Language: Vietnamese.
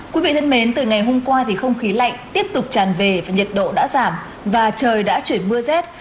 quý vị thân mến từ ngày hôm qua thì không khí lạnh tiếp tục tràn về và nhiệt độ đã giảm và trời đã chuyển mưa rét